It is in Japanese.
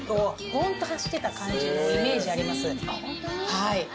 はい。